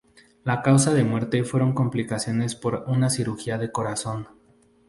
La causa de muerte fueron complicaciones por una cirugía de corazón.